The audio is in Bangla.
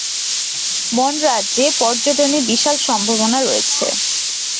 মন রাজ্যে পর্যটনে বিশাল সম্ভাবনা রয়েছে।